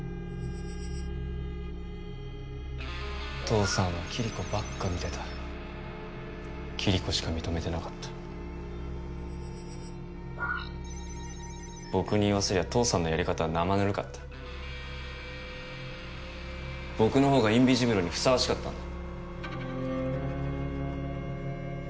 父さんはキリコばっか見てたキリコしか認めてなかった僕に言わせりゃ父さんのやり方は生ぬるかった僕の方がインビジブルにふさわしかったんだ